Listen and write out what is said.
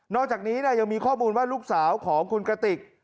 อกจากนี้ยังมีข้อมูลว่าลูกสาวของคุณกระติก